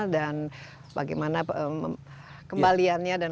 dan bagaimana kembaliannya